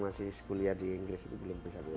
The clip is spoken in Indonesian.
masih kuliah di inggris itu belum bisa